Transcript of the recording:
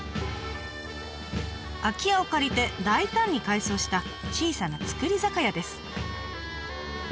空き家を借りて大胆に改装した小さな造り酒屋です。